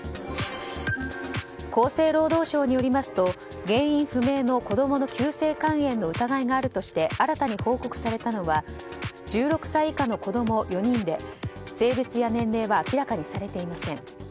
厚生労働省によりますと原因不明の子供の急性肝炎の疑いがあるとして新たに報告されたのは１６歳以下の子供４人で性別や年齢は明らかにされていません。